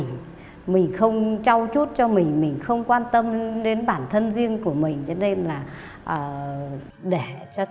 chấp nhận tha thứ cho anh đi thăm anh động viên anh để cho anh cải tạo tốt